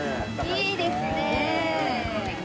いいですねえ。